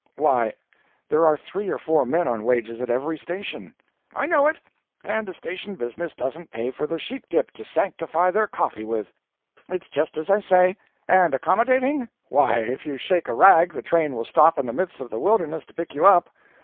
"Why, there are three or four men on wages at every station." "I know it. And the station business doesn't pay for the sheep dip to sanctify their coffee with. It's just as I say. And accommodating? Why, if you shake a rag the train will stop in the midst of the wilderness to pick you up.